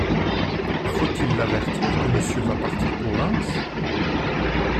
Faut-il l’avertir que Monsieur va partir pour Reims ?